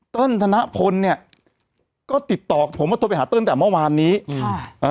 ธนพลเนี้ยก็ติดต่อผมว่าโทรไปหาเติ้ลแต่เมื่อวานนี้ค่ะเอ่อ